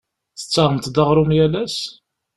Tettaɣemt-d aɣrum yal ass?